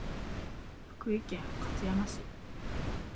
福井県勝山市